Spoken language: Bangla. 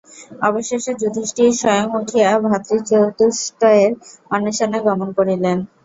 অবশেষে যুধিষ্ঠির স্বয়ং উঠিয়া ভাতৃচতুষ্টয়ের অন্বেষণে গমন করিলেন।